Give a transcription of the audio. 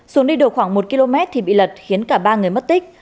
xuống đi được khoảng một km thì bị lật khiến cả ba người mất tích